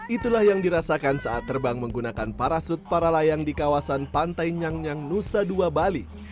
itulah yang dirasakan saat terbang menggunakan parasut para layang di kawasan pantai nyang nyang nusa dua bali